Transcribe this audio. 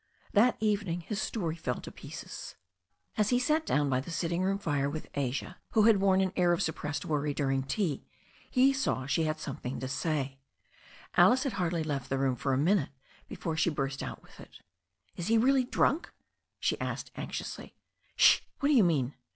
That evening his story fell to pieces. As he sat down by the sitting room fire with Asia, who had worn an air of suppressed worry during tea, he saw THE STORY OF A NEW ZEALAND RIVER 193 she had something to say. Alice had hardly left the room for a minute before she turst out with it. Is he really drunk?" she asked anxiously. 'Shi What do you mean?"